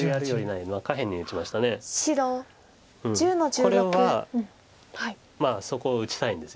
これはそこ打ちたいんです。